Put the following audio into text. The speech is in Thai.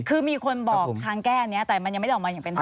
คือมีคนบอกทางแก้อันนี้แต่มันยังไม่ได้ออกมาอย่างเป็นทาง